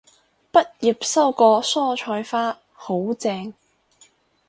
畢業收過蔬菜花，好正